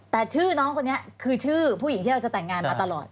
แต่ชื่อน้องคนนี้คือชื่อผู้หญิงที่เราจะแต่งงานมาตลอด